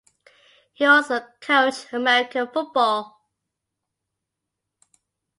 He also coached American football.